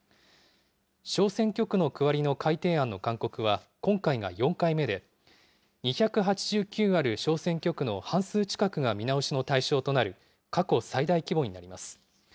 小選挙区の区割りの改定案の勧告は今回が４回目で、２８９ある小選挙区の半数近くが見直しの対象となる、過去最大規模になります。